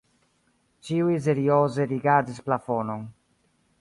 Ĉiuj serioze rigardis plafonon.